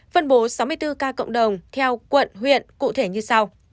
phân bố sáu mươi bốn ca cộng đồng theo quận huyện cụ thể như sau